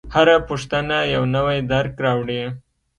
هره پوښتنه یو نوی درک راوړي.